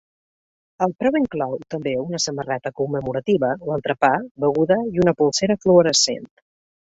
El preu inclou, també, una samarreta commemorativa, l’entrepà, beguda i una polsera fluorescent.